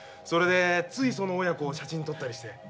それでついその親子を写真に撮ったりして。